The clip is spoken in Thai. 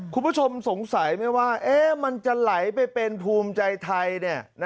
คุณผู้ชมสงสัยไหมว่ามันจะไหลไปเป็นภูมิใจไทย